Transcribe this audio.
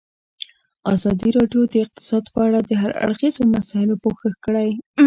ازادي راډیو د اقتصاد په اړه د هر اړخیزو مسایلو پوښښ کړی.